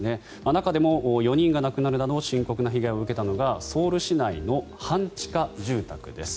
中でも４人が亡くなるなど深刻な被害を受けたのがソウル市内の半地下住宅です。